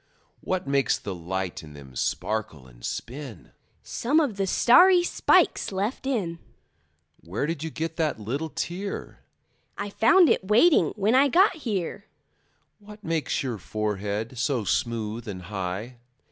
What makes the light in them sparkle and spin? Some of the starry spikes left in. Where did you get that little tear? I found it waiting when I got here. What makes your forehead so smooth and high?